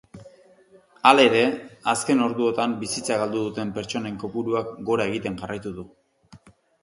Halere, azken orduotan bizitza galdu duten pertsonen kopuruak gora egiten jarraitu du.